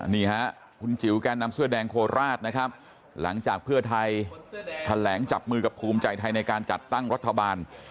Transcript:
นี่ฮะคุณจิ๋วแกนนำเสื้อแดงโคราชนะครับหลังจากเพื่อไทยแถลงจับมือกับภูมิใจไทยในการจัดตั้งรัฐบาล